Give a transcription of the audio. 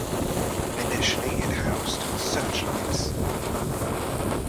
Initially, it housed searchlights.